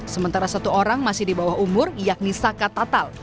sementara satu orang masih di bawah umur yakni sakat tatal